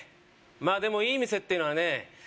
まあでもいい店っていうのはね